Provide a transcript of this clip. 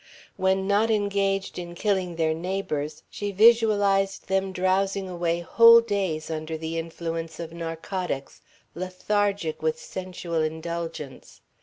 When not engaged in killing their neighbours she visualized them drowsing away whole days under the influence of narcotics, lethargic with sensual indulgence.